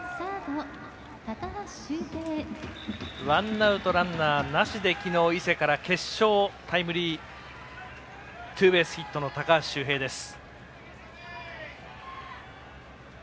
ワンアウト、ランナーなしで昨日、伊勢から決勝タイムリーツーベースヒット高橋周平です。